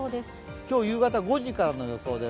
今日夕方５時からの予想です。